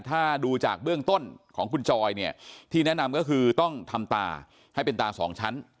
ถ้าดูจากเบื้องต้นของคุณจอยเนี่ยที่แนะนำก็คือต้องทำตาให้เป็นตาสองชั้น